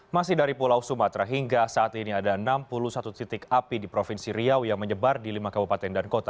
masih dari pulau sumatera hingga saat ini ada enam puluh satu titik api di provinsi riau yang menyebar di lima kabupaten dan kota